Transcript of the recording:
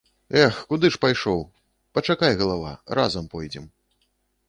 Эх, куды ж пайшоў, пачакай, галава, разам пойдзем.